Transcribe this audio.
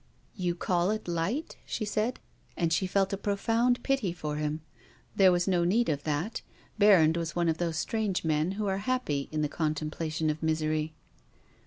" You call it light ?" she said. And she felt a profound pity for him. There was no need of that. Berrand was one of those strange men who are happy in the contemplation of misery.